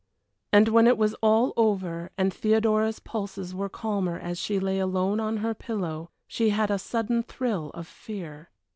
And when it was all over, and Theodora's pulses were calmer as she lay alone on her pillow, she had a sudden thrill of fear.